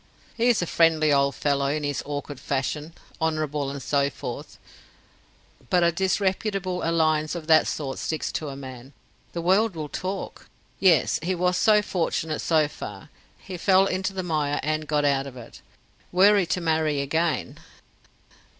"He is a friendly old fellow in his awkward fashion; honourable, and so forth. But a disreputable alliance of that sort sticks to a man. The world will talk. Yes, he was fortunate so far; he fell into the mire and got out of it. Were he to marry again